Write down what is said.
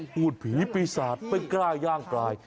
หุ่นผีปีศาจเป็นกล้าย่างกลาย